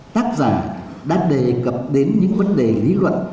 tác giả đã đề cập đến những vấn đề lý luận